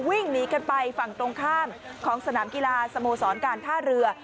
วิ่งหนีกันไปฝั่งตรงข้ามของสนามกีฬาสโมสรการท่าเรือ